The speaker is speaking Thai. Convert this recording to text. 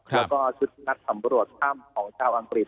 แล้วก็ชุดนักสำรวจถ้ำของชาวอังกฤษ